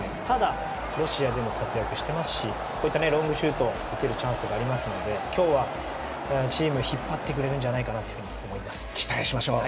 ただ、ロシアでも活躍していますしロングシュートを打てるチャンスもありますので、今日はチームを引っ張ってくれるんじゃないかと思います。